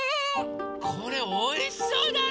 これおいしそうだね！